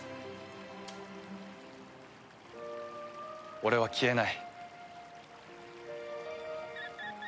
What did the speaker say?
俺は消えない。